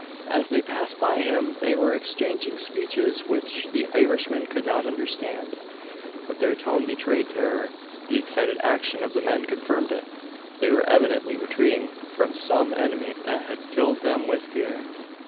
As they passed by him, they were exchanging speeches which the Irishman could not understand; but their tone betrayed terror. The excited action of the men confirmed it. They were evidently retreating from some enemy that had filled them with fear.